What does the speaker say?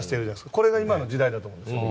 これが今の時代だと思います。